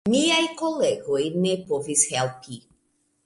Miaj kolegoj ne povis helpi.